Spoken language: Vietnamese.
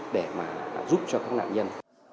để mà giúp cho các nạn nhân